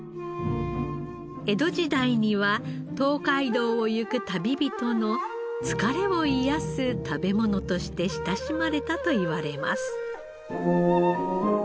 江戸時代には東海道を行く旅人の疲れを癒やす食べ物として親しまれたといわれます。